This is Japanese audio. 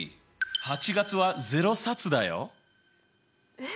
８月は０冊だよ。え？